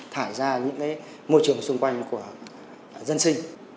thải ra những môi trường xung quanh của dân sinh